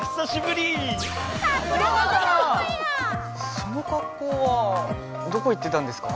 そのかっこうはどこ行ってたんですか？